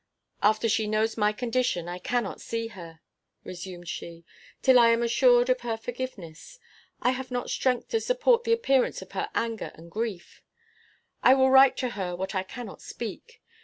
"After she knows my condition, I cannot see her," resumed she, "till I am assured of her forgiveness. I have not strength to support the appearance of her anger and grief. I will write to her what I cannot speak.